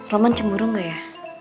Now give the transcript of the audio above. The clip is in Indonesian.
roman cemburu gak ya